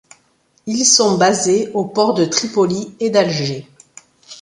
Ils sont basés aux ports de Tripoli et d'Alger.